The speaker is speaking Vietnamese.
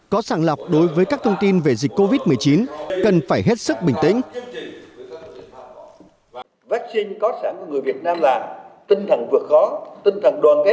có sàng lọc đối với các thông tin về dịch covid một mươi chín cần phải hết sức bình tĩnh